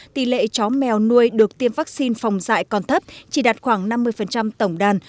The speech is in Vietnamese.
tỷ lệ chó mèo nuôi được tiêm vaccine phòng dạy còn thấp chỉ đạt khoảng năm mươi tổng đàn